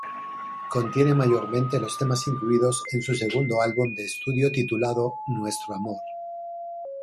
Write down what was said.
Contiene mayormente los temas incluidos en su segundo álbum de estudio titulado "Nuestro amor".